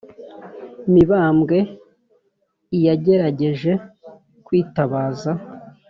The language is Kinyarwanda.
mibambwe i yagerageje kwitabaza